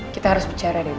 kita harus bercerai dewi